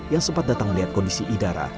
yang sempat datang melihat kondisi idara